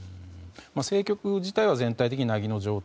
政局自体は全体的に凪の状態。